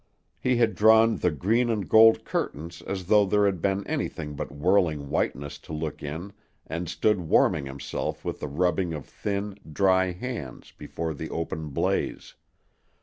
He had drawn the green and gold curtains as though there had been anything but whirling whiteness to look in and stood warming himself with a rubbing of thin, dry hands before the open blaze.